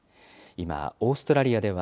今、オーストラリアでは、